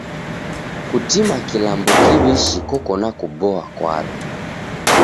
Kutima kilambo kiw'ishi koko na kuboa kwaro.